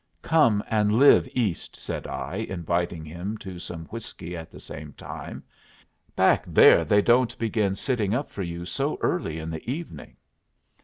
"Come and live East," said I, inviting him to some whiskey at the same time. "Back there they don't begin sitting up for you so early in the evening."